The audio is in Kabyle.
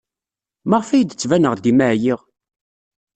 Maɣef ay d-ttbaneɣ dima ɛyiɣ?